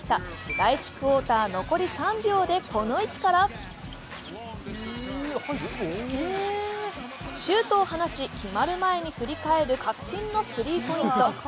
第１クォーター残り３秒でこの位置からシュートを放ち、決まる前に振り返る確信のスリーポイント。